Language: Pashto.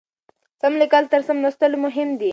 سم لیکل تر سم لوستلو مهم دي.